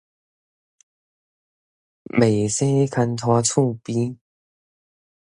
袂生牽拖厝邊